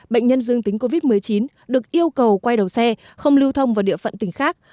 bệnh nhân dương tính covid một mươi chín được yêu cầu quay đầu xe không lưu thông vào địa phận tỉnh khác